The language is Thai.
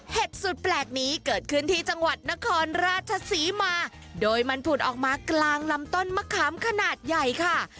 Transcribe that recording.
สุดแปลกนี้เกิดขึ้นที่จังหวัดนครราชศรีมาโดยมันผุดออกมากลางลำต้นมะขามขนาดใหญ่ค่ะ